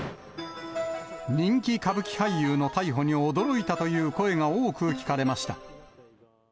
人気歌舞伎俳優の逮捕に驚いたという声が多く聞かれました。